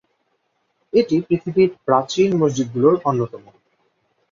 এটি পৃথিবীর প্রাচীন মসজিদগুলোর অন্যতম।